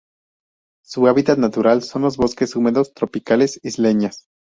Su hábitat natural son los bosques húmedos tropicales isleñas.